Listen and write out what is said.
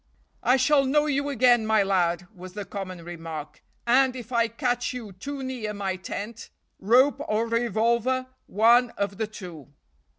"I shall know you again, my lad," was the common remark, "and, if I catch you too near my tent, rope or revolver, one of the two."